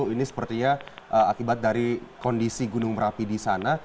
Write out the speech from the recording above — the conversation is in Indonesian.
ini sepertinya akibat dari kondisi gunung merapi di sana